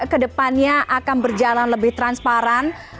kedepannya akan berjalan lebih transparan